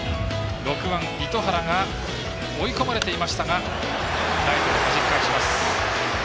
６番、糸原が追い込まれていましたがライトへはじき返します。